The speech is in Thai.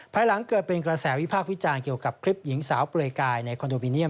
ภายหลังเกิดเป็นกระแสวิพากษ์วิจารณ์เกี่ยวกับคลิปหญิงสาวเปลือยกายในคอนโดมิเนียม